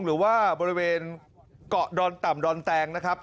หรือว่าบริเวณเกาะดอนต่ำดอนแตงนะครับ